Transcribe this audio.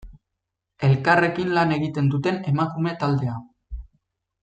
Elkarrekin lan egiten duten emakume taldea.